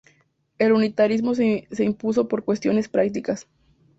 El unitarismo se impuso por cuestiones prácticas.